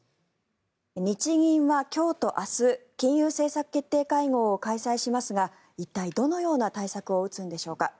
日銀は今日と明日金融政策決定会合を開催しますが一体、どのような対策を打つのでしょうか。